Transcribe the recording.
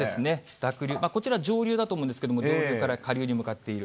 濁流、こちら上流だと思うんですけれども、上流から下流に向かっている。